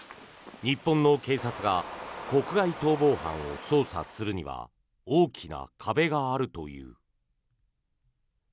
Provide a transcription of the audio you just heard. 日本の警察が国外逃亡犯を捜査するには大きな壁があるという。